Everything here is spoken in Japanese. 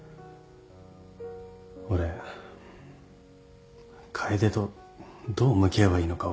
俺楓とどう向き合えばいいのか分からなくて。